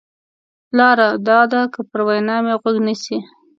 لار دا ده که پر وینا مې غوږ نیسې.